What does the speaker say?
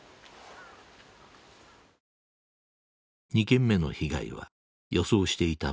２件目の被害は予想していた